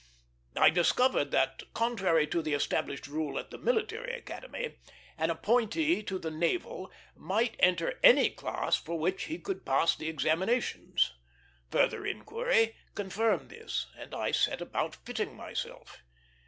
I discovered that, contrary to the established rule at the Military Academy, an appointee to the Naval might enter any class for which he could pass the examinations. Further inquiry confirmed this, and I set about fitting myself.